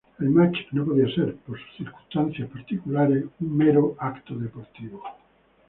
El match no podía ser, por sus circunstancias particulares, un mero evento deportivo.